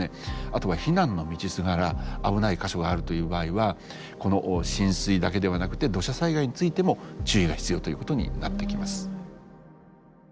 あとは避難の道すがら危ない箇所があるという場合はこの浸水だけではなくて土砂災害についても注意が必要ということになってきます。